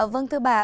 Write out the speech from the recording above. vâng thưa bà